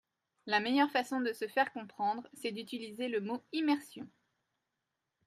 La meilleure façon de se faire comprendre, c’est d’utiliser le mot « immersion ».